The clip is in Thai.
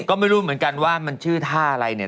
ก็ไม่รู้เหมือนกันว่ามันชื่อท่าอะไรเนี่ย